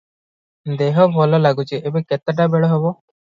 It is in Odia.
"ଦେହ ଭଲ ଲାଗୁଚି! ଏବେ କେତେଟା ବେଳ ହବ?